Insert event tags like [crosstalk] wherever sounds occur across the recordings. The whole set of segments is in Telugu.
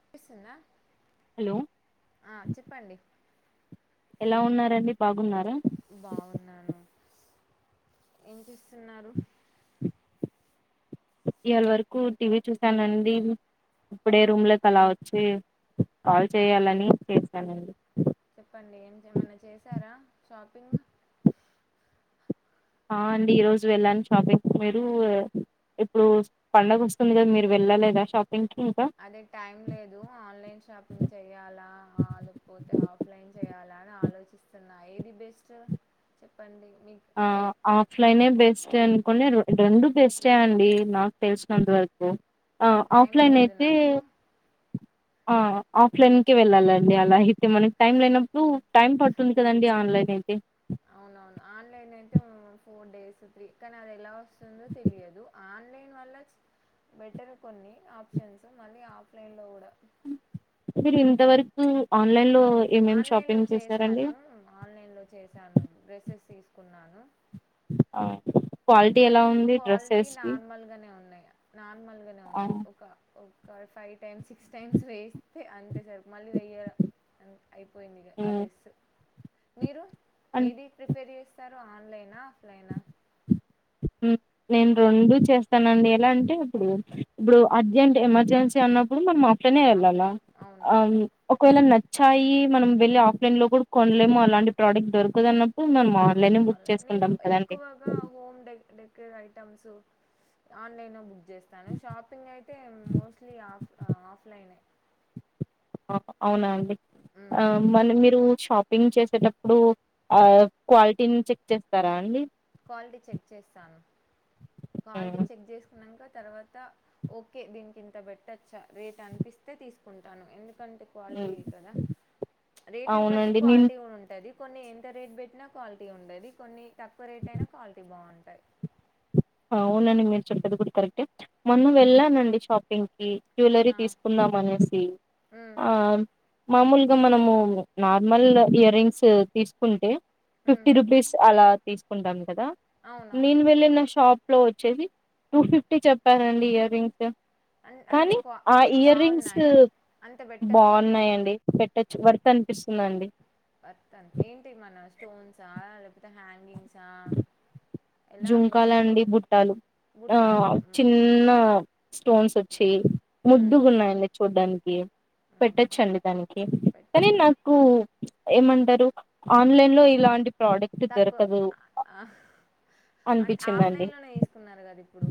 చపిస్తుందా హలో ఆ చెప్పండి ఎలా ఉన్నారండి బా బాగున్నారా బావున్నాను ఏం చేస్తున్నారు ఇయల వరకు టీవీ చూసానండి ఇప్పుడే రూమ్ లోకి అలా వచ్చి కాల్ చేయాలని చేశానండి చెప్పండి ఏం చేమన్నా చేశారా షాపింగ్ ఆ అండి ఈ రోజు వెళ్ళాను షాపింగ్ మీరు ఇప్పుడు పండగ వస్తుంది కదా మీరు వెళ్ళలేదా షాప్ అదే టైం లేదు ఆన్లైన్ షాపింగ్ చెయాలా ఆ లేకపోతే ఆఫ్లైన్ చెయాలా ఆలోచిస్తున్నా ఏది బెస్ట్ చెప్పండి మీకు ఆ చెప్ ఆఫ్లైనే బెస్ బెస్ట్ అనుకోండి రెండు బెస్ట్ ఏ అండి నాకు తెలిసినంత వరకు కానీ టైం ఆఫ్లైన్ లేదు అయితే నాకు ఆ ఆఫ్లైన్కే వెళ్ళాలండి అలా అయితే మనకి టైం లేనప్పుడు టైం పడుతుంది కదండి ఆన్లైన్ ఐతే అవునవును ఆన్లైన్ ఫోర్ డేస్ త్రీ కానీ అది ఎలా వస్తుందో తెలియదు ఆన్లైన్ వల్ల బెట్టర్ కొన్ని ఆప్షన్స్ మళ్ళీ ఆఫ్లైన్లో కూడా మీరు ఇంతవరకు ఆన్లైన్ లో ఏమేం ఆన్లైన్ లో షాపింగ్ చేశారండి చేసాను ఆన్లైన్ లో చేశాను డ్రెస్సెస్ తీసుకున్నాను ఆ క్వాలిటీ ఓకే ఎలా ఉంది క్వాలిటీ డ్రెస్సెస్ వి నార్మల్ గానే ఉన్నాయా నార్మల్ గానే ఆ ఉన్నాయి ఒక ఫైవ్ టైమ్స్ సిక్స్ టైమ్స్ వేస్తే అంతే సరి మళ్ళీ వెయ్య అయిపోయింది ఇగ ఆ డ్రెస్ మీరు అండ్ ఏది ప్రిఫేర్ చేస్తారు ఆన్లైనా ఆఫ్లైనా హ్మ్ నేను రెండు చేస్తానండి ఎలా అంటే ఇప్పుడు ఇప్పుడు అర్జెంట్ ఎమర్జెన్సీ అన్నప్పుడు మనం కషన అల ఆఫ్లైన్ ఆ అవునవును ఒకవేళ నచ్చ ఛాయి మనం వెళ్లి ఆఫ్లైన్ లో కూడా కొనలేముో అలాంటి ప్రోడక్ట్ దొరకదన్న మనము ఆన్లైనే బుక్ ఆన్లైన్ నేను చేసుకుంటాం కదండి ఎక్కువగా హోమ్ డె ఐటమ్స్ ఆన్లైన్ బుక్ చేస్తాను షాపింగ్ అయితే మోస్ట్లీ ఆఫ్ ఆఫ్ లైన్ అవునా అండి ఆ హ్మ్ మలీ మీరు షాపింగ్ చేసేటప్పుడు ఆ క్వాలిటీని చెక్ చేస్తారా అండి క్వాలిటీ చెక్ చేస్తాను క్వాలిటీ హ్మ్. చెక్ చేసుకున్నాక తర్వాత ఓకే దీనికి ఇంత పెటోచ్చా రేట్ అనిపిస్తే తీసుకుంటాను ఎందు ఎందుకంటే క్వాలిటీ హ్మ్. ఇ కదా రేటుని బట్టి అవునండి నేను క్వాలిటీ కూడా ఉంటది కొన్ని ఎంత రేట్ పెట్టినా క్వాలిటీ ఉండది కొన్ని తక్కువ రేట్ అయినా క్వాలిటీ బాగుంటంది అవునండి మీరు చెప్పది కూడా కరెక్ట్ మొన్న వెళ్ళానండి షాపింగ్ కి జ్యువలరీ ఆ! తీసుకుందాం అనేసి హ్మ్. ఆ మామూలుగా మనము నార్మల్ ఇయర్ రింగ్స్ తీసుకుంటే హ్మ్. ఫిఫ్టీ రూపీస్ అలా తీసుకుంటాం కదా అవునవును. నేను వెళ్ళి నా షాప్ లో వచ్చేసి టూ ఫిఫ్టీ చెప్పారండి ఇయర్ రింగ్స్ అన్ అంటే కానీ క్వా ఆ ఇయర్ రింగ్స్ బావున్నాయా? అంత పెట్టచ్చా? బాగున్నాయండి పెట్టచ్చ వర్త అనిపిస్తుందండి స్టోన్స్ లేకపోతే హాంగింగ్స్ [inaudible] జంకాలండి బుట్టాలు ఆ బుట్టాలు హ్మ్ చిన్న స్టోన్స్ వచ్చి హ్మ్ ముద్దుగు ఉన్నాయండి చూడ్డానికి హ్మ్ పెట్టచ్చండి దానికి కానీ పెట్టొచ్చు నాకు ఏమంటారు ఆన్లైన్ లో ఇలాంటి ప్రోడక్ట్ తక్కువ దొరకదు ఆ, అంటే అనిపించిందండి ఆఫ్లైన్ లోనే తీసుకున్నారు కదా ఇప్పుడు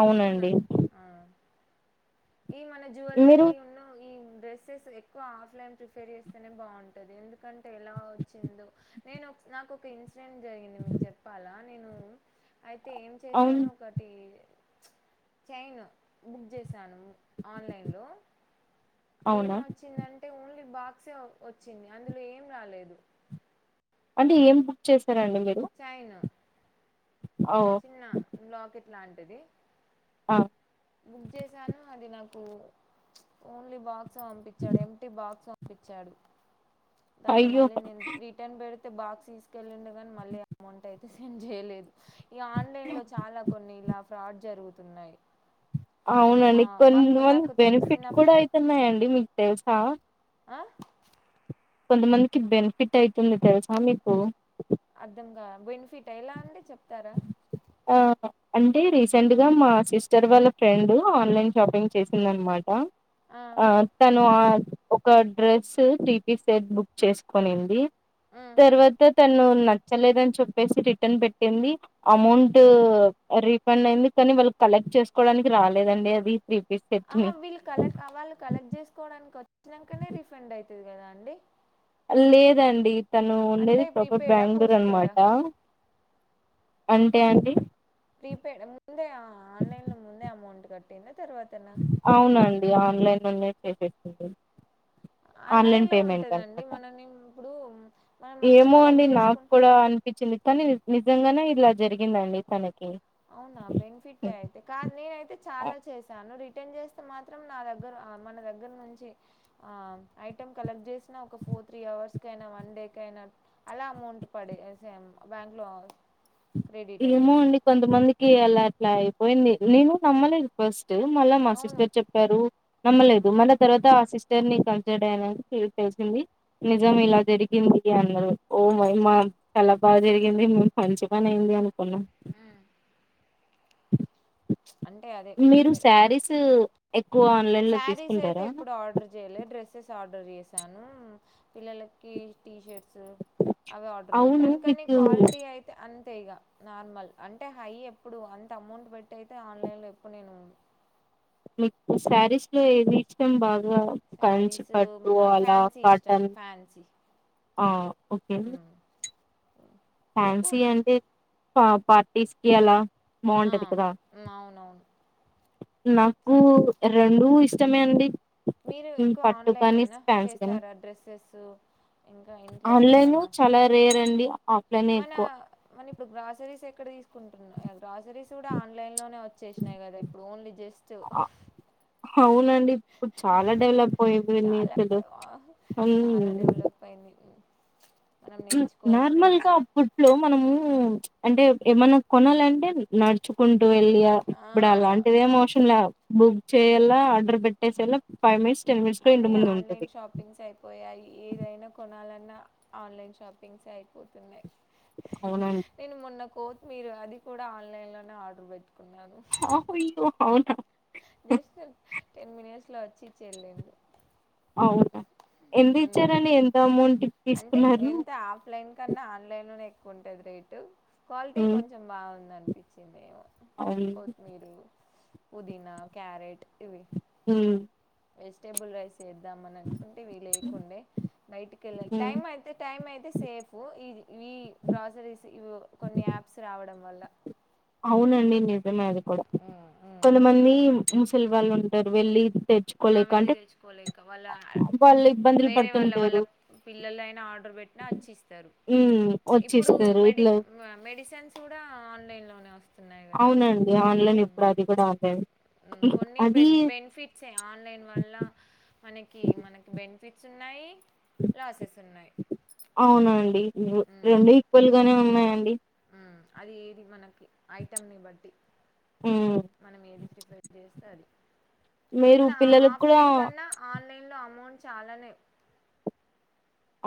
తీసుకున్న ఆ ఈ మన మీరు జ్యువెల్లరీ ఉన్న ఈ డ్రస్సెస్ ఎక్కువ ఆఫ్లైన్ ప్రిఫేర్ చేస్తేనే బాగుంటుంది ఎందుకంటే ఎలా వచ్చిందో నేను నాకు ఒక ఇన్సిడెంట్ జరిగింది మీకు చెప్పాలా నేను అయితే ఏం అవును చేశాను ఒకటి చైన్ బుక్ చేశాను ఆన్లైన్లో ఏం అవునా వచ్చిందంటే ఓన్లీ బాక్స్ సాక్షే వచ్చింది అందులో ఏం రాలేదు అంటే ఏం బుక్ చేస్త చైన్ ఓ చిన్న లాకెట్ లాంటిది ఆ బుక్ చేసాను అది నాకు ఓన్లీ బాక్స్ పంపించాడు ఎంప్టీ బాక్స ఇచ్చాడు దాన్ని అయ్యో మళ్ళీ నేను రిటర్న్ పెడి అయితే బాక్స్ తీసుక్లీన్డు మళ్ళీ అమౌంట్ అయితే సెండ్ చేయలేదు ఈ ఆన్లైన్ల చాలా కొన్ని ఇలా ఫ్రాడ్ జరుగుతున్నాయి మా అవునండి మాకు కొంతమంది నాకు బెనిఫిట్ తెలిసిన కూడా అయితున్నాయండి మీకు తెలుసా ఆ కొంతమందికి బెనిఫిట్ అయితుంది తెలుసా మీకు అర్ధంకాలే బెనిఫిట్ ఎలా అండి చెప్తారా ఆ అంటే రీసెంట్గా మా సిస్టర్ వాళ్ళ ఫ్రెండ్ ఆన్లైన్ షాపింగ్ చేసింది అనమాట ఆ తను ఆ ఒక అడ్రస్ త్రీపీస్ సెట్ బుక్ చేసుకొనింది ఉమ్, తర్వాత తను నచ్చలేదని చెప్పేసి రిటర్న్ పెట్టింది ఉమ్. అమౌంట్ ట్ రీఫండ్ అయింది కానీ వాళ్ళు కలెక్ట్ చేసుకోవడానికి రాలేదండి అది త్రీ పీస్ సెట్‌ని. ఆహా వీళ్ళు కలెక్ట్ వాళ్ళు కలెక్ట్ చేసుకోవడానికి వచ్చినంకనే రిఫండ్ అయితది కదాండి లేదండి తను ఉండేది ప్రాపర్ ప్రీపెయిడా? బెంగళూరు పోస్ట్ అనమాట పెయిడా? అంటే అండి ప్రీపేడ్ ముందే ఆ ఆన్లైన్ లో ముందే అమౌంట్ కట్టింద అవునండి ఆన్లైన్ లోనే పె చేస్తది అలా ఆన్లైన్ ఎలా పేమెంట్ ఉంటదండి? అనమాట మనం ఇప్పుడు మనం వచ్చి ఏమో అండి కలెక్ట్ నాకు జేసుకుం కూడా అనిపించింది కానీ నిజంగానే ఇలా జరిగిందండి తనక్ అవునా బెనిఫిట్ే అయితే కాద్ నేనైతే చాలా చేశాను రి మాత్రం నా దగ్గర ఆ మన దగ్గర నుంచి ఆ ఐటెం కలెక్ట్ చేసిన ఒక టు త్రీ అవర్స్ స్ కైనా వన్ కైనా అలా అమౌంట్ పదే సే బ్యాంక్ లో ఏమో అండి కొంతమందికి అలా అట్లా అయిపోయింది నేను నమ్మలేదు ఫస్ దు మళ్ళా మా అవును సిస్టర్ చెప్పారు నమ్మలేదు ఉమ్ మళ్ళా తర్వాత ఆ సిస్ స్టర్ని కన్సిర్ అయినక తెలిసింది నిజం ఇలా జరిగింది అన్నారు ఓ మైమా చల బాగా జరిగింది మ్ మంచి పైన్ది అన్ అంటే అదే మీరు ప్రిఫర్ శారీస్ ఎక్ శారీస్ అయితే ఎప్పుడు ఆర్డర్ చేయలే డ్రెస్సెస్ ఆడ్ ర్డర్ చేశాను పిల్లలకి టీషర్ ట్స్ అవి ఆర్డర్ అవును పెట్టాను కానీ మీకు క్వాలిటీ అయితే అం తే ఇగా నార్మల్ అంటే హై ఎప్పుడు అంత అమౌంట్ పెట్టి అయితే ఆన్లైన్లో ఎప్పుడు నేను మీకు శారీస్ లో ఏవిఇష్టం బాగ్ గా కంచి శారీస్ పట్టు మన అలా ఫ్యాన్సీ ఇష్టం కాటన్ ఫ్యాన్సీ ఆ ఓకే మీకు ఫ్యాన్సీ అంటే ప పార్టీస్ కి అలా ఆ బాగుంటది కదా అవునవును నాకు స రెండు ఇస్ ష్టమే అండి మీరు హ్మ్. ఎక్కువ పట్టు ఆన్లైన్ కానీ నేనా ఫ్యాన్సీ కానీ చేస్తారా డ్రెస్సెస్ ఇంకా ఆన్లైన్ ఇంట్లోకేమన్నా చాలా రేర్ అండి ఆఫ్లైన్ మన ఎక్కువ మన ఇప్పుడు గ్రాసరీస్ ఎక్కడ తీసుకుంటున్నా గ్రాసరీస్ కూడా ఆన్లైన్ లోనే వచ్చేసినాయ్ కదా ఇప్పుడు ఓన్లీ జస్ట్ అ అవునండి ఇప్పుడు చాలా డెవలప్ అయిపోయింది చాలా అసలు చాలా డెవలప్ అయింది మనం నేర్చుకోవాల్సినవి నార్మల్ చ గా ఫుడ్లు మనం అంటే ఏమన్నా కొనాలంటే నడుచుకుంటూ వెళ్ళి ఆ ఇప్పుడ అలాంటిదెం అవసరం లే బుక్ చేయేలా ఆర్డర్ పెట్టేేసేలా ఫైవ్ మినిట్ అన్ని ఆన్లైన్ షాపింగ్స్ అయిపోయాయి ఏదైనా కొనాలన్ న్న ఆన్లైన్ షాపింగ్స్ అయిపోతున్నాయ్ అవునండి. నేను మొన్న కో మీరు అది కూడా ఆన్లైన్లోనే ఆర్డర్ పెట్ హ హయ్యొ హవున జస్ట్ టెన్ మినిట్స్ లో వచ్చి ఇచ్చేల్లింది అవున ఎందిచ్చారండి ఇంత అమౌంట్ అంటే తీసుకున్నారు కుంటది రేటు క్వాలిటీ హ్మ్. కొంచెం బాగుందానిపించింది ఏమో అవును. కొత్తిమీరు పుదీనా క్యారెట్ ఇవి హుమ్ వెజిటేబుల్ రైస్ చేద్దామని అనుకుంటే ఇవి లేకుండే నైట్ కేళ్ళి టై హ్మ్. అయితే టైం అయితే సేఫ్ యి ఇవి గ్రాసరీస్ ఇవ్వు కొన్ని యాప్స్ రావడం వల్ల అవునండి నిజమే అది కూడా కొంతమంది ముసలి వాళ్ళు ఉంటారు వెళ్ళి ఆ తెచ్చుకోలేక వెళ్ళి అంటే తెచ్చుకోలేక వాళ్ళ వాళ్ళు ఇబ్బందులు వేరే వాళ్ళ వాళ్ళ పడుతుంటారు. పిల్లలు అయినా ఆడ ఆర్డర్ పెట్టిన అచ్చిస్తారు హ్మ్. ఇప్పుడు వచ్చిస్తారు. మెడి ఇట్లా మెడిసిన్స్ కూడా ఆన్లైన్ లోనే వ అవునండి ఆన్లైన్ ఎప్పుడు అది కూడా ఆన్లైన్ కొన్ని బె అది బెనిఫిట్సే ఆన్లైన్ వల్ల మనకి మనకి బెనిఫిట్స్ ఉన్నాయి లాసెస్ ఉన్నాయి అవునండి ఉమ్ రెండు ఈక్వల్ గానే ఉన్నాయండి అది ఏది మనకు ఐటమ్ ని బట్టి హ్మ్. మనం ఏది ప్రిపేర్ చేస్తే అది మీరు కానీ పిల్లలకి కూడా ఆఫ్లైన్ కన్నా ఆన్లైన్ లో అమౌంట్ చాలానే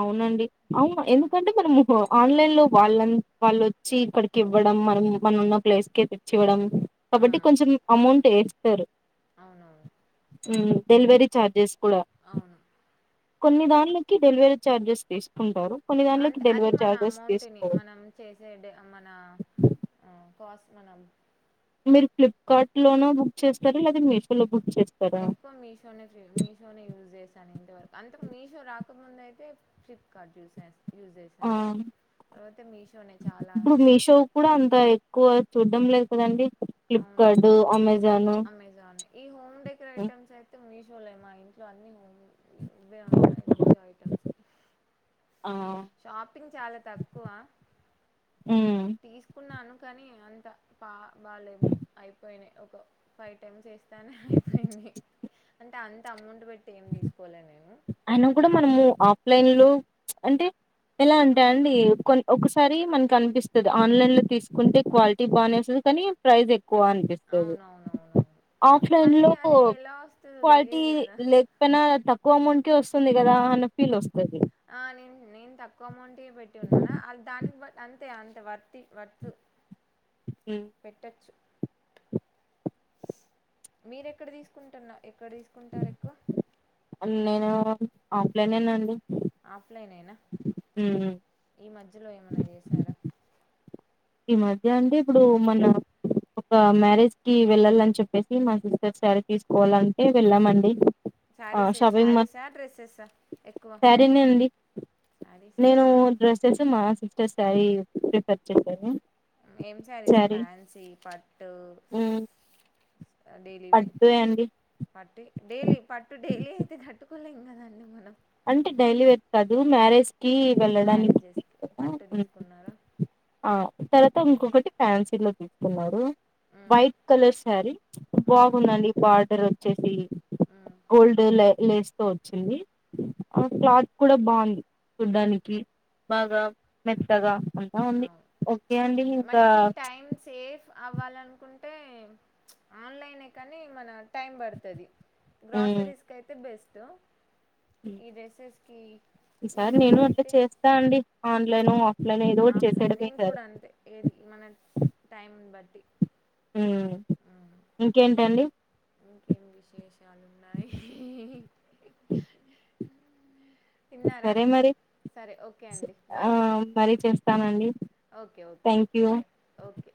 అవునండి అవును ఉమ్ ఎందుకంటే మనము ఆన్లైన్ లో వాళ్ళ అంత వాళ్లొచ్చి ఇక్కడికి ఇవ్వడం డం మనం మన ఉన్న ప్లేస్క తెచ్చి ఇవ్వడం ఆ కాబట్టి కొంచెం అమౌంట్ వేస్తారు అవునవును ఉమ్ డెలివరీ చార్జెస్ కూడా అవును కొన్ని దాన్లకి డెలివరీ చఛార్జెస్ తీసుకుంటారు కొన్ని దాన్లకి అంతే అది డెలివరీ మన చార్జెస్ అమౌంట్ ని తీసుకోరు. మనం చేసే మన కోస్ మనం మీరు ఫ్లిప్కార్ట్ లోనో బుక్ చేస్తారు లేదా మీషో లో ఎక్కువ మీషో మీషో యూజ్ చేశాను ఇంతవరకు అంతకు మీషో రాకముంద అయితే ఫ్లిప్కార్ట్ చూశాను యూజ్ చేశాను ఆ! తర్వాతే మీషోనే చాలా ఇప్పుడు మీషో కూడా అంత ఎక్కువ చూడ్డం లేదు కదండడి అవును అమెజాన్ ఈ హోమ్ డెకరేటమ్స్ అయితే మీ షో షోలే మా ఇంట్లో అన్ని ఇవే ఉంటాయి మీషో ఐటమ్స్ ఆ షాపింగ్ చాలా తక్కువ ఉమ్. తీసుకున్నాను కానీ అంత పా బాలేము అయిపోయినాయి ఒక ఫైవ్ టైమ్స్ వేస్ తను అయిపోయింది అంటే అంత అమౌంట్ పెట్టి ఏం తీసుకోలేదు నేను అయిన కూడా మనము ఆఫ్లైన్ లో అంటే ఎలా అంటే అండి కొన్ ఒకసారి మనకు అనిపిస్తుంది ఆన్లైన్ లో తీసుకుంటే క్వాలిటీ బాగానేస్తుంది కానీ ప్రైజ ఎక్కువ అనిపిస్తుంది అవునవునవునవును ఆఫ్లైన్ మళ్ళీ లో అది ఎలా వస్తుందో క్వాలిటీ తెలియదు కదా లేకపోయినా తక్ ఎక్కువ అమౌంట్ కే వస్తుంది కదా అన్న ఫీల్ వస్తుంది ఆ నేను నేను తక్కువ అమౌంట్ పెట్టి ఉన్నానా అ దానికి అంతే అంతే వత్తి వర్త్ పెట్టచ్చు మీరెక్కడ తీసుకుంటన్న ఎక్ అన్న నేను ఆఫ్లైన్నాండి ఆఫ్లైన్ నేనా ఈ మధ్యలో ఏమన్నా చేసారా ఈ మధ్య అండి ఇప్పుడు మన ఒక మ్యారేజ్ కి వెళ్ళాలని చెప్పేసి మా సిస్టర్ సారి తీసుకోవాలంటే వెళ్ళామండి ఆ శారీస్ షాపింగ్ మాల్ శారీసా డ్రెస్సెసా ఎక్కువ శారీనే అండి నేను శారీసేనా డ్రెస్సెస్ మా సిస్టర్ శారీ ప్రిఫర్ చేశారు ఏం సారీస్ ఫ్యాన్సీ పట్టు హ్మ్ డైలీ వే పట్టు యే అండి పట్టు డైలీ పట్టు డైలీ అయితే కట్టుకోలేం కదండి మనం అంటే డైలీ వేర్ కాదు మ్యారేజ్ కి వెళ్ళడానికి మ్యారేజెస్ కి తీసుకున్నా. పట్టు హ్మ్. తీసుకున్నారా ఆ తర్వాత మ్మ్ ఇంకొకటి ఫ్యాన్సీలో తీసుకున్నారు మ్మ్ వైట్ కలర్ శారీ మ్మ్ బాగుందండి బార్డర్ వచ్చేసి మ్మ్ గోల్డ్ లేస్తే వచ్చింది ఆ క్లాత్ కూడా బాగుంది చూడ్డానికి బాగా మెత్తగా అంతా ఉంది అవును. ఓకే అండి ఇంకా మనకి టైం సేవ్ అవ్వాలనుకుంటే ఆన్లైనే కానీ మన టైం పడుతుంది మ్మ్ గ్రాసరీస్కి అయితే బెస్ట్ ఈ డ్రెస్సెస్‌కి ఈసారి వీటికి నేను అట్లా చేస్తా అండి ఆన్లైన్ ఆఫ్లైన్ ఏదో ఒకటి ఆఫ్లైన్ చేసేయడమే నేను ఈసారి కూడా అంతే ఏది మన టైం ఉ బట్ ఉమ్ ఇంకేంటండి ఇంకేం విశేషాలు ఉన్నాయి తిన్నారా? సరే మరి సరే ఓకే అండి. ఆ బాయ్. మరీ చేస్తానండి okay okay thank you bye okay